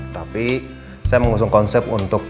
tapi saya mengusung konsep untuk